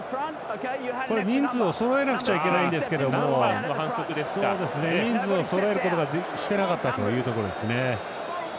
人数をそろえなくちゃいけないんですけど人数をそろえることをしていなかったんですね。